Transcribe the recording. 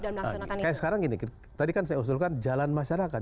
kayak sekarang gini tadi kan saya usulkan jalan masyarakat